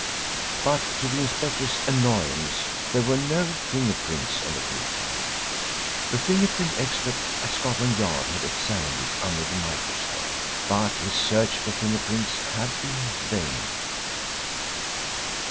But to the inspector's annoyance, there were no finger prints on the paper. The finger print expert at Scotland Yard had examined it under the microscope, but his search for finger prints had been vain.